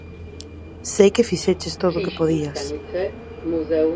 Sei que fixeches todo o que podías.